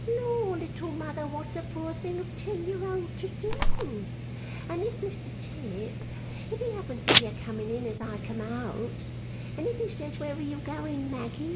Lor, Little Mother, what's a poor thing of ten year old to do? And if Mr Tip if he happens to be a coming in as I come out, and if he says "Where are you going, Maggy?"